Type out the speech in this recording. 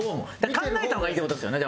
考えた方がいいって事ですよね